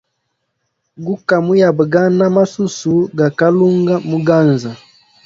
Guka muyabagana masusu ga kalunga muganza.